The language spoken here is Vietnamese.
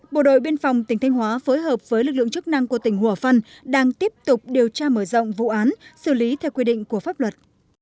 bộ đội biên phòng tỉnh thanh hóa phối hợp với lực lượng chức năng của tỉnh hồ phân đang tiếp tục điều tra mở rộng vụ án xử lý theo quy định của pháp luật